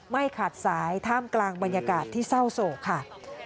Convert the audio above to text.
ไม่ขาดสายท่ามกลางบรรยากาศที่เศร้าโศกค่ะ